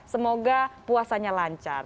semoga puasanya lancar